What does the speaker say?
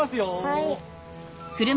はい。